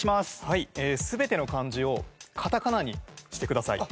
全ての漢字をカタカナにしてください。